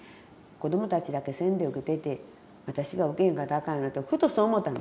子どもたちだけ洗礼受けていて私が受けへんかったらあかんよなとふとそう思ったんですよ